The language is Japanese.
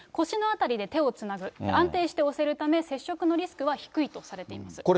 腰の辺りで手をつなぐ、安定して押せるため、接触のリスクは低いとされています。